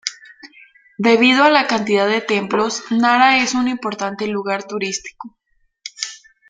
Debido a la cantidad de templos, Nara es un importante lugar turístico.